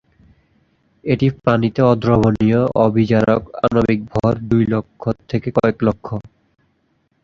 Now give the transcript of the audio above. এটি পানিতে অদ্রবণীয়, অবিজারক, আণবিক ভর দুই লক্ষ থেকে কয়েক লক্ষ।